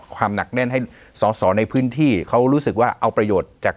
หนักแน่นให้สอสอในพื้นที่เขารู้สึกว่าเอาประโยชน์จาก